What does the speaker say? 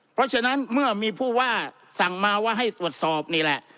เพราะฉะนั้นเมื่อมีผู้ว่าสั่งมาว่าให้ตรวจสอบนี่แหละ